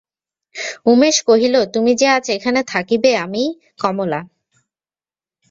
উমেশ কহিল, তুমি যে আজ এখানে থাকিবে, আমি– কমলা।